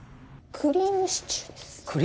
クリームシチュー？